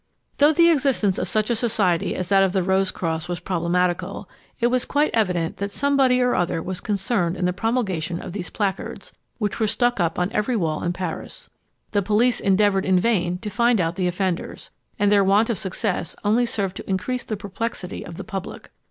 _" Though the existence of such a society as that of the Rose cross was problematical, it was quite evident that somebody or other was concerned in the promulgation of these placards, which were stuck up on every wall in Paris. The police endeavoured in vain to find out the offenders, and their want of success only served to increase the perplexity of the public.